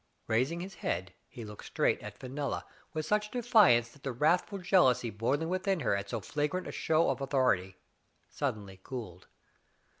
Raising his head, he looked straight at Fenella with such defiance that the wrathful jealousy, boiling within her at so flagrant a show of author ity, suddenly cooled.